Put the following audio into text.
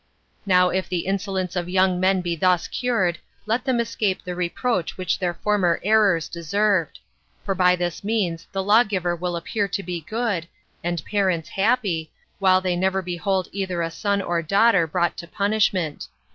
Now if the insolence of young men be thus cured, let them escape the reproach which their former errors deserved; for by this means the lawgiver will appear to be good, and parents happy, while they never behold either a son or a daughter brought to punishment.